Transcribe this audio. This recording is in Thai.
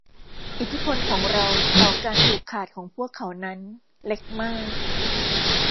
อิทธิพลของเราต่อการผูกขาดของพวกเขานั้นเล็กมาก